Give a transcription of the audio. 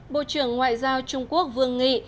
bộ trưởng ngoại giao trung quốc vương nghị